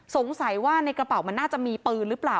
สงสัยว่าในกระเป๋ามันน่าจะมีปืนหรือเปล่า